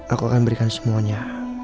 aku akan berikan semuanya